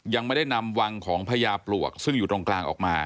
ยังไม่ได้นำวังของพญาปลวกซึ่งอยู่ตรงกลางออกมา